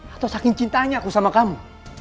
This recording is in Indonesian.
atau saking cintanya aku sama kamu